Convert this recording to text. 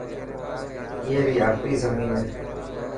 ائي ري آپري زمين هي.